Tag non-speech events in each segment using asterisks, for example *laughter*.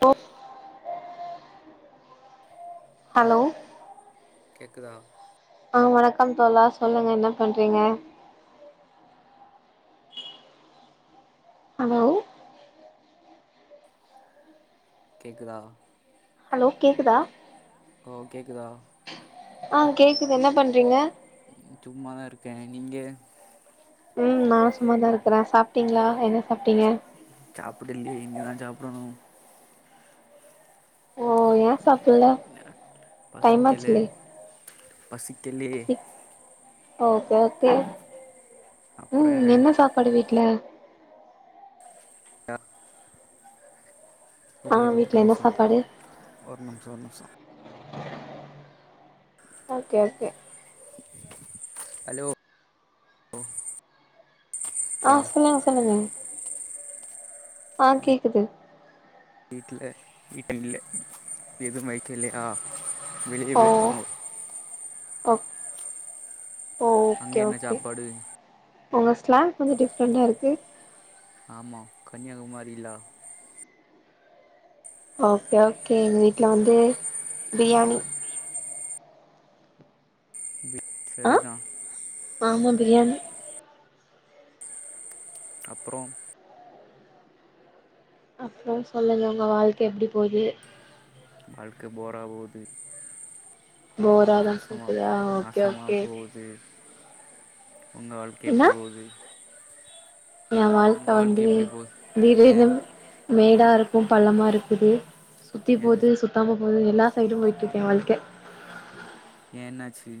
போ ஹலோ கேக்குதா ஆ வணக்கம் தோழா சொல்லுங்க என்ன பண்றீங்க ஹலோ கேக்குதா ஹலோ கேக்குதா ஹோ கேக்குதா ஆ கேக்குது என்ன பண்றீங்க ம் சும்மாதா இருக்கே நீங்க ம் நா சும்மாதா இருக்குறே சாப்ட்டீங்களா என்ன சாப்ட்டீங்க சாப்புடல்லியே இனிதா சாப்டணு ஓ ஏ சாப்புல்ல ன்ன டைம் பசிக்கல ஆச்சுலே பசிக்கலயே சிக் ஓகே ஓகே ம் என்ன சாப்பாடு வீட்ல அ ஆ இரு இரு ஒக்க வீட்ல என்ன நிமுசொ சாப்பாடு ஒரு நிமிசொ ஒரு நிமிசொ ஓகே ஓகே ஹலோ ஆ தா சொல்லுங்க சொல்லுங்க ஆ கேக்குது வீட்ல வீட்ல இல்ல எது மைக் இல்லையா வெளியே போயிருக்காங்கோ ஒக் அங்க ஓகே என்ன ஓகே சாப்பாடு ஒங்க ஸ்லாங் கொஞ்சொ டிஃப்ரெண்டா இருக்கு ஆமா கன்யாகுமாரிலா ஓகே ஓகே எங்க வீட்ல வந்து பிரியாணி ம் ஆ சரிதா ஆமா பிரியாணி அப்றொ அப்றொ சொல்லுங்க ஒங்க வாழ்க்க எப்டி போது வாழ்க்க போரா போது போராதா நாசமாப் போகுதா ஓகே நாசமா ஓகே போவுத் து ஒங்க வாழ்க்க எப்டி போது ஏ வாழ்க்க வந்து ஏ விலேகம் மேடா இருக்கு பள்ளமா இருக்குது சுத்தி ஏ போது சுத் பத்தாம போது எல்லா சைடு போயிட்ருக்கு ஏ வாழ்க்க ஏ என்னாச்சு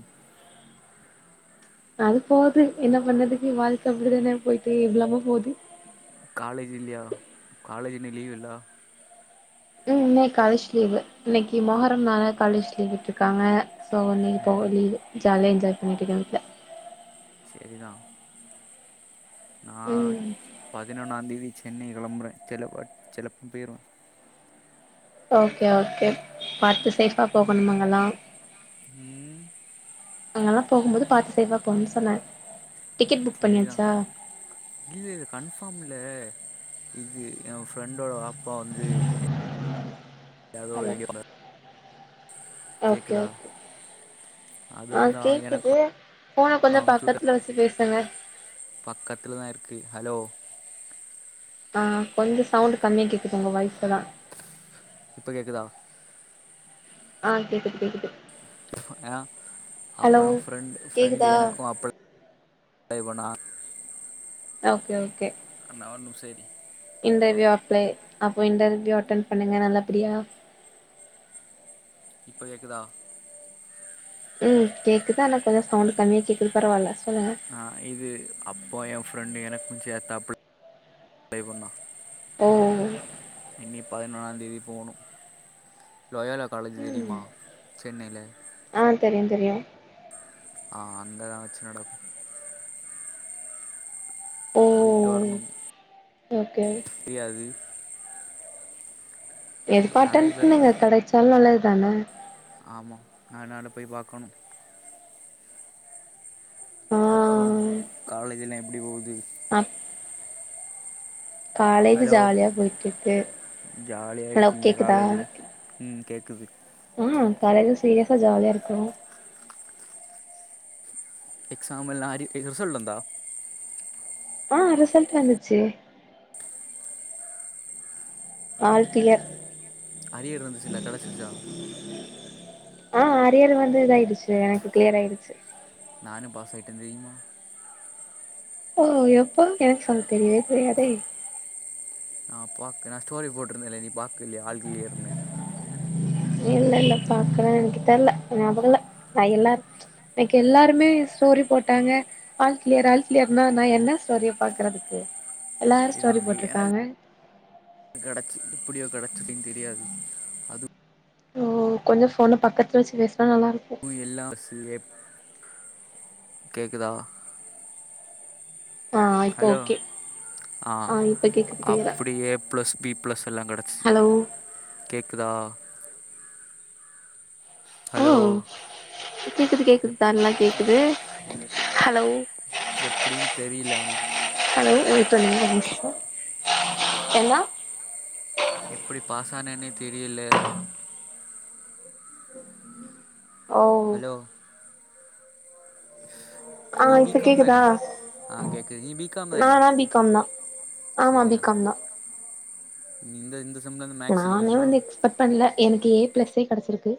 அது போது என்ன பண்ணதுக்கு வாழ்க்க அப்டிதானே போயிட்டு இவ்ளாம போது காலேஜ் இல்லியா காலேஜ் இன்னிக்கி லீவு இல்லா ம் இன்னைக் காலேஜ் லீவு இன்னைக்கி மொஹரம்னால காலேஜ் லீவ் விட்ருக்காங்க சோ இன்னைக் ஆ போல லீவு ஜாலியா என்ஜாய் பண்ட்ருக்க வீட்ல செரிதா நா ம் பதினொன்னாந்தேதி சென்னை கெளம்புற செலப்ப செலப்புன் போயிருவ ஓகே ஓகே பாத்து சேஃபா பாத்து சேஃபா போகணும் அங்கலா அங்கலா போகும்போது பாத்து சேஃபா போங்கன் சொன்னே டிக்கெட் புக் சரிதா பண்ணியாச்சா இல்ல இது கன்ஃபார்ம் இல்லே இது எ ஃப்ரெண்டோட வாப்பா வந்து எ வேற எதோ ஹலோ ஏன்டி பண்ற ஓகே ஓகே அது ஆ வந்து அவ எனக்கு கேக்குது ஃபோன கொஞ்சொ பக்கத்ல வெச்சு பேசுங்க பக்கத்துலதா இருக்கு ஹலோ ஆ கொஞ்ச சவுண்டு் கம்மியா கேக்குது ஒங்க வாய்ஸு அதா இப்ப கேக்குதா ஆ கேக்குது கேக்குது யா ஹலோ அப்பயு ஃப்ரெண்ட் ஃப்ரெண்டு் கேக்குதா எனக்கு அப் *inaudible* செய்வனா ஓகே ஓகே நா ஒர் நிம்சொ இரி இன்டர்வியூ அப்ளை அப்போ இன்டர்வியூ அட்டன் பண்ணுங்க நல்லபடியா இப்ப கேக்குதா ம் கேக்குது ஆனா கொஞ்சொ சவுண்டு கம்மியா கேக்குது பரவால்ல சொல்லுங்க அ இது அப்போ எ ஃப்ரெண்டு எனக்குஞ்சேத்து அப்ளை பண்ணா ஓ என்னி பதினொன்னாந்தேதி போணு லோயாலா காலேஜி ம் தெரியுமா சென்னைல ஆ தெரியு தெரியு ஆ அங்கதா வெச்சு நடக்கு ஓ போய்ட்டு வர்ணும் ஓகே தெரியாது நெறைய எதுபாட்டேன்னு பேருக்கு நீங்க கடைச்சாலு நல்லதுதான ஆமா அத்னால போய் பாக்கணு ஆ அப்றோ காலேஜுலா எப்டி போகுது அ ஹலோ ஜாலியா போயிட்ருக்கு ஜாலியா ஹலோ இருக்கீங்க கேக்குதா காலேஜில ம் கேக்குது ஆ காலேஜா சீரியஸா ஜாலியா இருக்குறோ எக்ஸாமல்லா அரி ரிசல்ட்டு வந்தா ஆ ரிசல்ட்டு வந்துருச்சே ஆல் க்ளியர் அரியர் இருந்துச்சுல்ல கடச்சிருச்சா ஆ அரியர் வந்து இதாய்டுச்சு எனக்கு க்ளியர் ஆய்டுச்சு நானு பாஸ் ஆய்ட்டே தெரியுமா ஓ எப்போ எனக்கு சொல்ல தெரியவே தெரியாதே நா பாக்குற ஸ்டோரி போட்டிருந்தனே நீ பாக்கிலியா ஆல் க்ளியர்னு இல்ல இல்ல பாக்கல்ல எனக்கு தெர்ல ஞாபகோ இல்ல நா எல்லா அன்னைக்கு எல்லாருமே ஸ்டோரி போட்டாங்க ஆல் க்ளியர் ஆல் க்ளியர்னா நா என்ன ஸ்டோரிய பாக்குறதுக்கு எல்லாரு ஸ்டோரி செரிதாங்க போட்ருக்காங்க எனக்கு கடச்சு எப்டியோ கடச்சது தெரியாது ஓ கொஞ்சோ ஃபோன பக்கத்துல வெச்சு பேசுனா நல்லாருக்கு எல்லா சேப் கேக்குதா ஆ இப்போ ஹலோ ஓகே ஆ இப்ப கேக்குது கிளியரா அப்படி ஏ ப்ளஸ் பி ப்ளஸ் எல்லா கெடச்சிச்சு ஹலோ கேக்குதா ஓ ஹலோ கேக்குது கேக்குது எப் தான்லா கேக்குது ஹலோ எப்டின்னு தெரில ஆனா ஹலோ வெய்ட் பண்ணுங்க ஒரு நிம்ஷோ எப்டி பாஸ் ஆனனே தெரியில ஓ ஹலோ ஆ நீ இப்ப பிகாம் கேக்குதா தானே ஆ கேட்குது நீ பிகாம் தானே நானா பிகம்தா ஆமா பிகாம்தா நீ இந்த இந்த செம்மில் வந்து மேக்ஸ் நானே இருக்கும்ல வந்து எக்ஸ்பெக்ட் பண்ல எனக்கு ஏ ப்ளஸே கெடச்சிருக்கு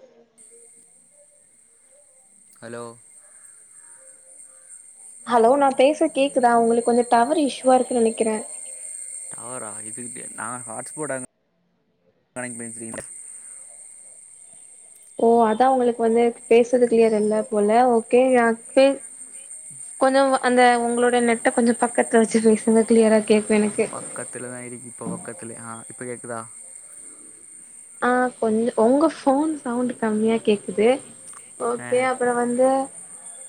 ஹலோ ஹலோ நா பேசற கேக்குதா உங்களுக்கு கொஞ்சோ டவரு இஷுவா இருக்குன் நனைக்கிறே டவரா இதுக்கு நா ஹாட்ஸ்பாட் ஆன் கனெக்ட் பண்ணி வெச்சுருக்கே ஓ அதா உங்களுக்கு வந்து பேசுறது க்ளியர் இல்ல போல ஓகே நா பே கொஞ்சோ அந்த உங்களோட நெட்ட கொஞ்சோ பக்கத்துல வெச்சு பேசுங்க க்ளியரா கேக்ககு எனக் பக்கத்துல தான் இருக்கு இப்ப பக்கத்துல ஆ இப்ப கேக்குதா ஆ கொஞ் உங்க போன் சவுண்ட் கம்மியா கேக்குது ஆ ஓகே அ அப்பறம் வந்து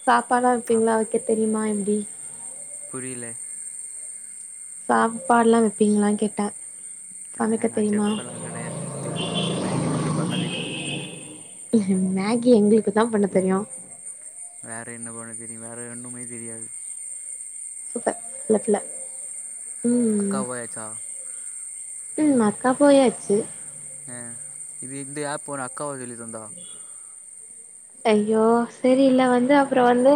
சாப்பாடுலாம் வைப்பீங்களா வைக்க தெரியுமா எப்டி புரில சாப்பாடுலாம் வைப்பீங்களான்னு கேட்டேன் ஆ‌நான் செப் எல்லாம் கிடையாது தெரியாது மேகி மட்டும் பண்ண தெரியும் மேகி எங்களுக்கு தான் பண்ண தெரியும் வேறு என்ன பண்ண தெரியும் வேறு ஒன்னுமே தெரியாது சூப்பர் லட்ல அக்கா போயாச்சா ம் அக்கா போயாச்சு ஆ இது இந்த ஆப் ஒன்ன அக்காவா சொல்லிதந்தா ஐயோ செரி இல்ல வந்து அப்பறம் வந்து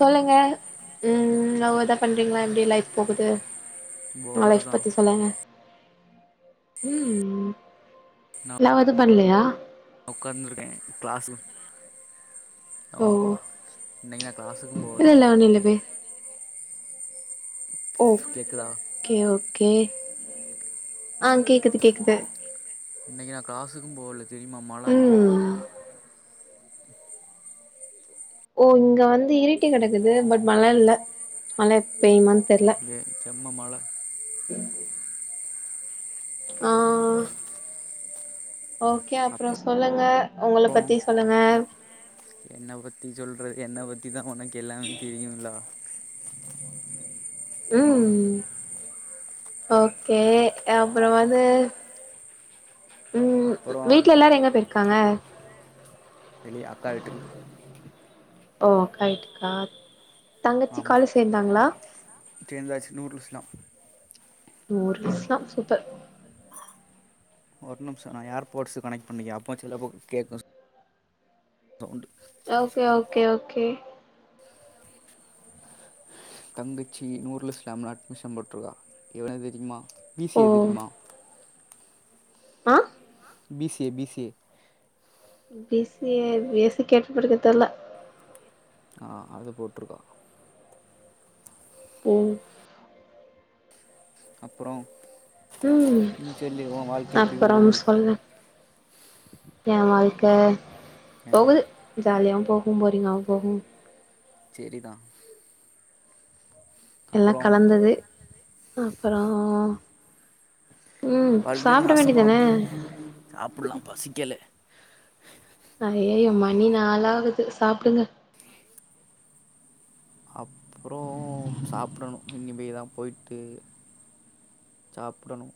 சொல்லுங்க ம் லவ் எதா பண்றீங்களா எப்டி லைஃப் போகுது உங்க போரு லைப் தா பத்தி சொல்லுங்க ம் லவ் எது பண்ணலையா நா உட்காந்துருக்கேன் கிளாஸு அவ் இன்னைக்கு நான் கிளாசுக்கும் போ புரில ஆனா என்னது ஓ கேக்குதா ஓகே ஓகே ஆ கேக்குது கேக்குது இன்னைக்கு நான் கிளாஸ்க்கும் போல தெரியுமாம் மழ இங்கே ம் ஓ இங்க வந்து இரிட்டி கிடக்குது பட் மழை இல்ல மழை பெய் மா இங்கே செம்ம மழ உம் *unintelligible* ஆ ஓகே அப்பறம் அப்புறம் சொல்லுங்க உங்கள பத்தி சொல்லுங்க என்ன பத்தி சொல்றது என்ன பத்திதான் உனக்கு எல்லாமே தெரியும்ல ம் ஓகே அப்பறம் வந்து ம் அப்புறம் வீட்டுல எல்லாரும் எங்க போய்ருக்காங்க வெளியே அக்கா வீட்டுக்கு ஓ அக்கா வீட்டுக்கா தங்கச்சி ஆமாம் காலேஜ் சேர்ந்தாங்களா சேர்ந்தாச்சு நூர்ல் இஸ்லாம் நூர்இஸ்லாம் சூப்பர் ஒரு நிமிஷம் நான் ஏர்போர்ட்ஸ் கனெக்ட்டு பண்ணிக்குற அப்போ சில கே சவுண்டு ஓகே ஓகே ஓகே தங்கச்சி நூறுல் இஸ்லாம்ல அட்மிஷன் போட்டிருக்கா எவளோ தெரியுமா பி சி‌ ஓ ஏ தெரியுமா ஆ B C A B C A B C A AC கேள்வி பட்டது தெர்ல ஆ அது போட்ருக்கா ம் அப்பறம் ம் நீச்சொல்லு உன் வாழ்க்க எப்டி அப்புறம் போது என் வாழ்க்க ஆ, போகுது ஜாலியாகவும் போகும் போரிங்காகவும் போகும் சேரிதான் எல்லா அப்புறம் கலந்தது அப்பறோ ம் இங்க வாழ்க்க சாப்பிட நாசமா வேண்டியதான சாப்பிட்லா பசிக்கல ஆ ஏ மணி நாலு ஆகுது சாப்பிடுங்க அப்புறோ சாப்பிடணு இன்னிமே தா போய்ட்டு சாப்பிடணு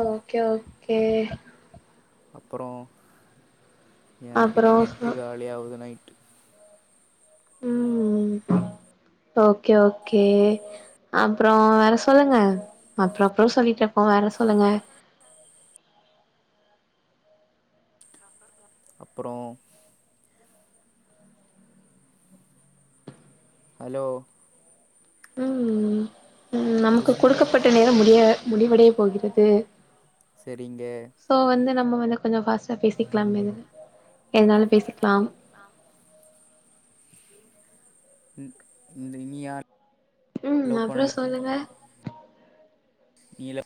ஓகே ஓகே அப்புறோ எனக்கு அப்புறோ இன்னினேட் சொ காலிய ஆவுது நைட்டு ம் ஓகே ஓகே அப்புறோ வேற சொல்லுங்க அப்புறோ அப்புறோ சொல்லிட்டு இருப்போம் வேற சொல்லுங்க டப்பர்கான் அப்புறோ ஹலோ ம் ம் இந்த நமக்கு செம்ல கொடுக்கப்பட்ட நேரம் முடிய முடிவடைய போகிறது சேரிங்க ஸோ வந்து நம்ம வந்து கொஞ்சோ ஃபாஸ்ட்டா பேசிக்கலாமே எதனாலு பேசிக்கலாம் ஆ ங்க் இந்த இனியார் ம் அப்புறோ சொல்லுங்க நீல